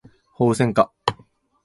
ホウセンカ